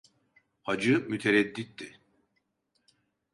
Hacı müteredditti.